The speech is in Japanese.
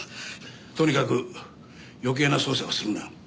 とにかく余計な捜査をするな。